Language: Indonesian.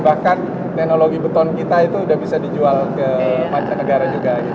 dan teknologi beton kita itu sudah bisa dijual ke negara juga